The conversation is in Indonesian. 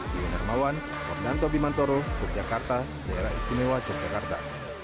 di winermawan mordanto bimantoro yogyakarta daerah istimewa yogyakarta